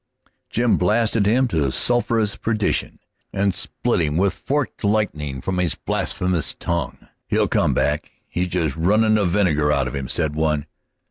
Jim blasted him to sulphurous perdition, and split him with forked lightning from his blasphemous tongue. "He'll come back; he's just runnin' the vinegar out of him," said one.